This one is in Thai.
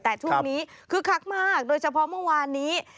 แต่ช่วงนี้คึกคักมากโดยเฉพาะเมื่อวานนี้